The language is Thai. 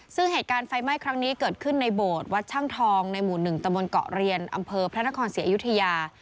ซึ่งเหตุการณ์ไฟไหม้ครั้งนี้เกิดขึ้นในโบสถ์วัดช่างทองในหมู่๑ตะบนเกาะเรียนอำเภอพระนครศรีอยุธยา